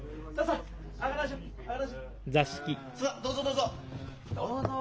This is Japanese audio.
さあどうぞどうぞ。